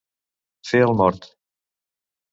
Fer el mort.